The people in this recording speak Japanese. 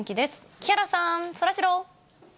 木原さん、そらジロー。